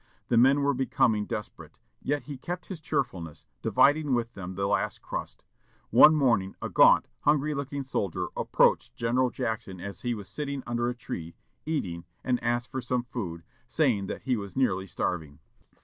The men were becoming desperate; yet he kept his cheerfulness, dividing with them the last crust. One morning a gaunt, hungry looking soldier approached General Jackson as he was sitting under a tree, eating, and asked for some food, saying that he was nearly starving.